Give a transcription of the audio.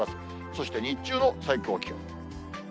そして日中の最高気温。